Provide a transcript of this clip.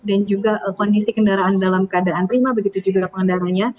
dan juga kondisi kendaraan dalam keadaan prima begitu juga pengendaranya